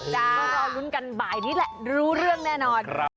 ก็รอลุ้นกันบ่ายนี้แหละรู้เรื่องแน่นอน